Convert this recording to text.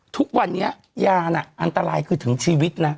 ทุกวันนี้ยาน่ะอันตรายคือถึงชีวิตนะ